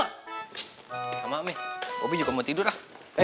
ssst sama mie bobby juga mau tidur lah